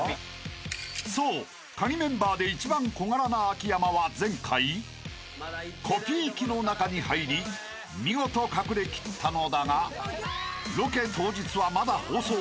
［そうカギメンバーで一番小柄な秋山は前回コピー機の中に入り見事隠れきったのだがロケ当日はまだ放送前］